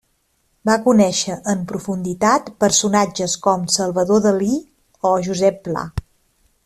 Va conèixer en profunditat personatges com Salvador Dalí o Josep Pla.